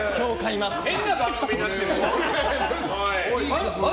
変な番組になってるぞ！